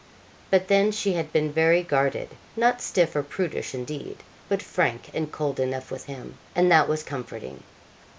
But then she had been very guarded; not stiff or prudish, indeed, but frank and cold enough with him, and that was comforting.